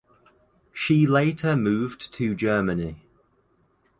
She later moved to Germany.